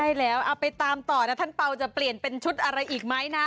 ใช่แล้วเอาไปตามต่อนะท่านเปล่าจะเปลี่ยนเป็นชุดอะไรอีกไหมนะ